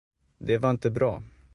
Det var inte bra.